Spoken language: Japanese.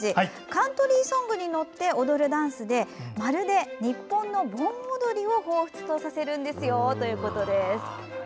カントリーソングに乗って踊るダンスでまるで日本の盆踊りをほうふつとさせるんですよということです。